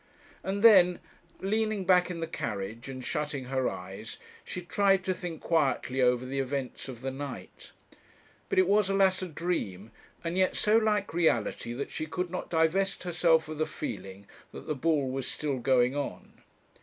And then, leaning back in the carriage, and shutting her eyes, she tried to think quietly over the events of the night. But it was, alas! a dream, and yet so like reality that she could not divest herself of the feeling that the ball was still going on.